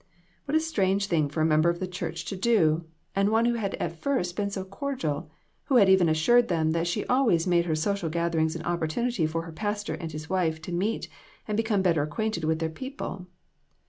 What a strange thing for a member of the church to do, arid one who had at first been so cordial ; who had even assured them that she always made her social gatherings an opportunity for her pastor and his wife to meet and become better acquainted with their people.